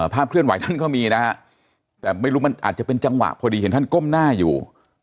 เคลื่อนไหวท่านก็มีนะฮะแต่ไม่รู้มันอาจจะเป็นจังหวะพอดีเห็นท่านก้มหน้าอยู่